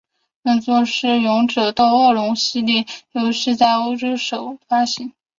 本作是勇者斗恶龙系列游戏首次在欧洲发行。